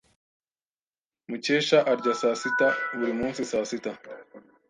Mukesha arya saa sita buri munsi saa sita.